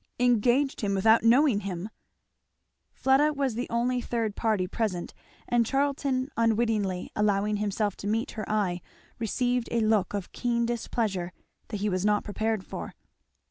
"Engaged him without knowing him!" Fleda was the only third party present, and Charlton unwittingly allowing himself to meet her eye received a look of keen displeasure that he was not prepared for.